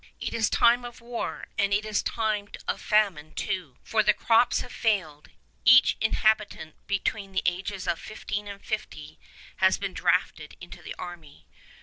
It is time of war, and it is time of famine too; for the crops have failed. Every inhabitant between the ages of fifteen and fifty has been drafted into the army.